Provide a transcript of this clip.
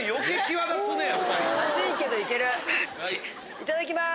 いただきます！